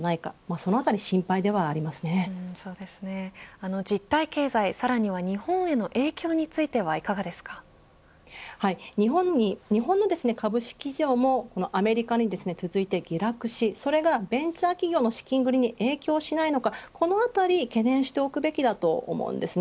そうですね、実体経済さらには日本への影響については日本の株式市場もアメリカに続いて下落し、それがベンチャー企業の資金繰りに影響しないのか、このあたり懸念しておくべきだと思います。